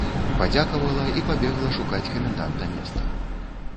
Падзякавала і пабегла шукаць каменданта места.